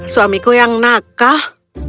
suamiku yang nakah